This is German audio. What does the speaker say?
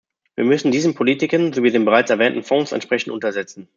Wir müssen diese Politiken sowie den bereits erwähnten Fonds entsprechend untersetzen.